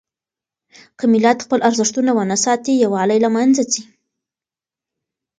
که ملت خپل ارزښتونه ونه ساتي، يووالی له منځه ځي.